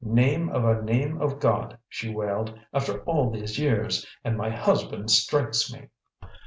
"Name of a name of God!" she wailed. "After all these years! And my husband strikes me!"